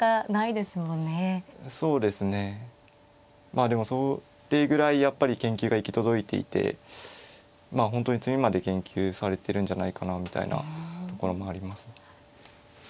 まあでもそれぐらいやっぱり研究が行き届いていてまあ本当に詰みまで研究されてるんじゃないかなみたいなところもあります。